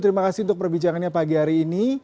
terima kasih untuk perbicaraannya pagi hari ini